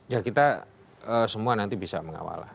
ya kita semua nanti bisa mengawal lah